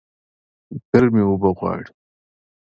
ګرمي اوبه غواړي